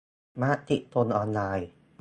มติชนออนไลน์